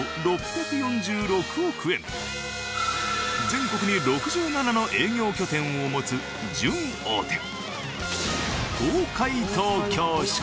全国に６７の営業拠点を持つ準大手。